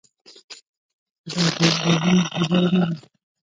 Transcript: داډیره مهمه خبره نه ده